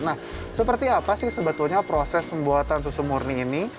nah seperti apa sih sebetulnya proses pembuatan susu murni ini